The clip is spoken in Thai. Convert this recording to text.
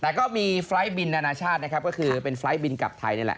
แต่ก็มีไฟล์ทบินนานาชาตินะครับก็คือเป็นไฟล์บินกลับไทยนี่แหละ